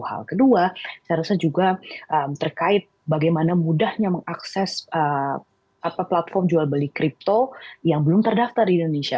hal kedua saya rasa juga terkait bagaimana mudahnya mengakses platform jual beli kripto yang belum terdaftar di indonesia